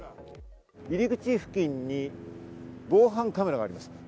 入り口付近に防犯カメラがあります。